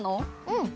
うん！